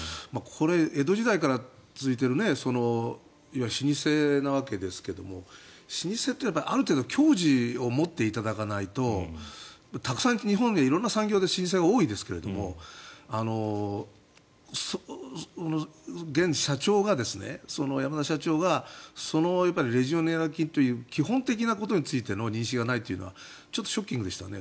江戸時代から続いている老舗なわけですけども老舗というのはある程度矜持を持っていただかないとたくさん、日本で色んな老舗が多いですけど現社長が、山田社長がそのレジオネラ菌という基本的なことについての認識がないというのはちょっとショッキングでしたね。